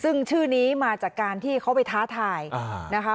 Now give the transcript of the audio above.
ซึ่งชื่อนี้มาจากการที่เขาไปท้าทายนะคะ